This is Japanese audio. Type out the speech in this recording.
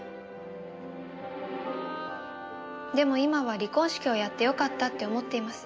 でも今は離婚式をやってよかったって思っています。